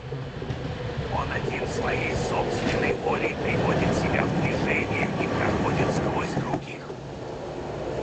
Он один своей собственной волей приводит себя в движение и проходит сквозь других.